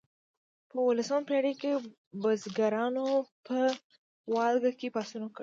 په اوولسمه پیړۍ کې بزګرانو په والګا کې پاڅون وکړ.